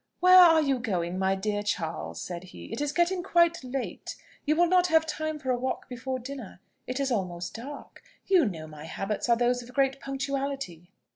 "Where are you going, my dear Charles?" said he. "It is getting quite late; you will not have time for a walk before dinner it is almost dark. You know my habits are those of great punctuality."